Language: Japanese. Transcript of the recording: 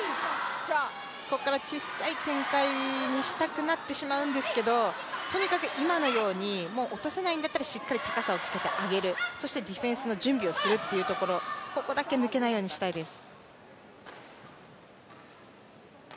ここから小さい展開にしたくなってしまうんですけど、とにかく今のように落とせないんだったらしっかり高さをつけて上げる、そしてディフェンスの準備をするというところ、ここだけ抜けないようにしたいです。